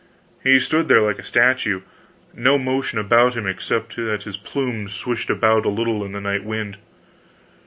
He stood there like a statue no motion about him, except that his plumes swished about a little in the night wind.